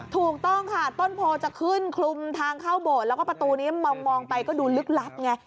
ถูกต้องค่ะต้นโพจะขึ้นคลุมทางเข้าโบสถ์แล้วก็ประตูนี้มองไปก็ดูลึกลับไง